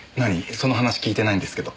その話聞いてないんですけど。